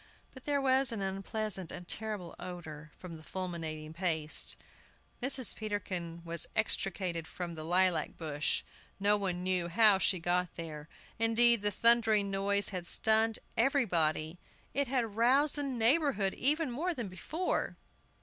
But there was an unpleasant and terrible odor from the "fulminating paste." Mrs. Peterkin was extricated from the lilac bush. No one knew how she got there. Indeed, the thundering noise had stunned everybody. It had roused the neighborhood even more than before.